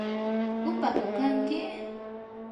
¿upaku kanki?